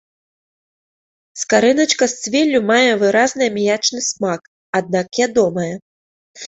Скарыначка з цвіллю мае выразны аміячны смак, аднак ядомая.